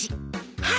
はい！